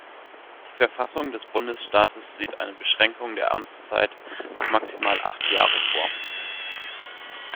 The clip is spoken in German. Die Verfassung des Bundesstaates sieht eine Beschränkung der Amtszeit auf maximal acht Jahre vor.